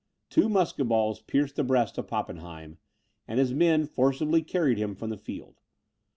Two musket balls pierced the breast of Pappenheim; and his men forcibly carried him from the field.